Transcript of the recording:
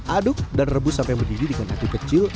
aduk dan rebus sampai mendidih dengan api kecil